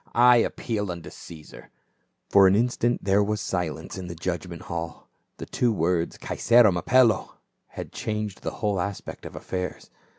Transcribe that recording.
I appeal unto Caesar !" For an instant there was silence in the judgment hall ; the two words " Caesarem appello !" had changed the whole aspect of affairs.